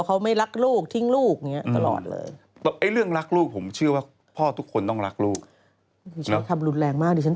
แค่ยกแก้วเนี่ย